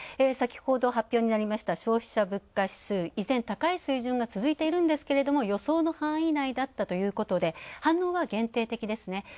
先ほど発表された消費者物価指数、以前、高い水準が続いているのですが、予想の範囲内だったということで、反応は限定的ですね。